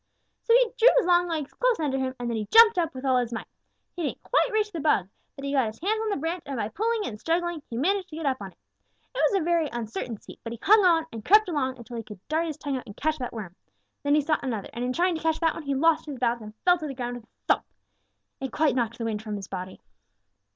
"So he drew his long legs close under him, and then he jumped up with all his might. He didn't quite reach the bug, but he got his hands on the branch and by pulling and struggling, he managed to get up on it. It was a very uncertain seat, but he hung on and crept along until he could dart his tongue out and catch that worm. Then he saw another, and in trying to catch that one he lost his balance and fell to the ground with a thump. It quite knocked the wind from his body.